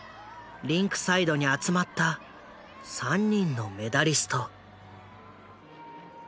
リンクサイドに集まった３人のメダリスト。